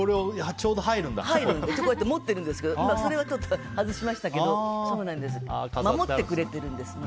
こうやって持ってるんですけどそれは外しましたけど守ってくれてるんです。